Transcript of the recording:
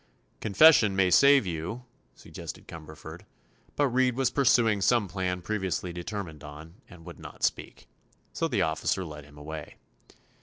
"Confession may save you," suggested Cumberford; but Reed was pursuing some plan previously determined on, and would not speak. So the officer led him away.